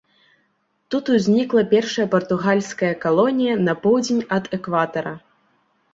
Тут узнікла першая партугальская калонія на поўдзень ад экватара.